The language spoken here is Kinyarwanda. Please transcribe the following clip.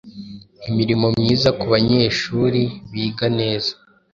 Imirimo myiza kubanyehuri biganeza